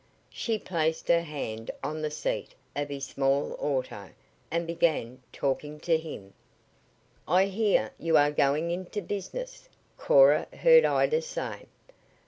She placed her hand on the seat of his small auto and began talking to him. "I hear you are going into business," Cora heard Ida say.